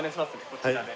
こちらで。